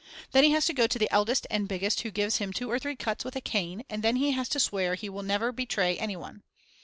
Then he has to go to the eldest and biggest who gives him two or three cuts with a cane and he has to swear that he will never betray anyone.